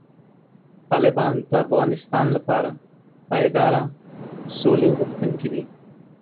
طالبان د افغانستان لپاره د پایداره سولې غوښتونکي دي.